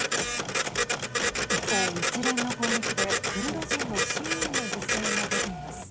一方、一連の攻撃でクルド人の市民の犠牲も出ています。